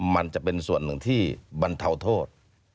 มันจะเป็นส่วนหนึ่งที่บรรเทาโทษ